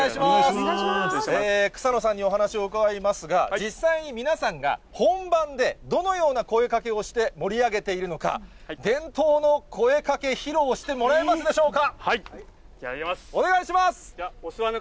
くさのさんにお話を伺いますが、実際に皆さんが本番でどのような声かけをして、盛り上げているのか、伝統の声掛け披露してもらえますでしょうか。